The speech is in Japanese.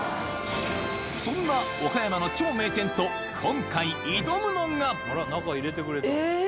そんな岡山の超名店と、今回、挑むのが。